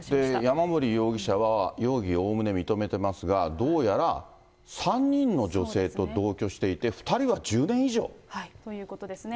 山森容疑者は、容疑をおおむね認めていますが、どうやら３人の女性と同居していて、ということですね。